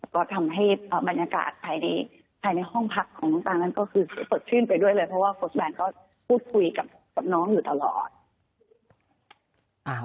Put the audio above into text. ก็ทำให้บรรยากาศภายในภายในห้องพักของน้องตานั้นก็คือสดชื่นไปด้วยเลยเพราะว่าโค้ชแบนก็พูดคุยกับน้องอยู่ตลอด